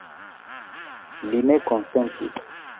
Li ne konsentis.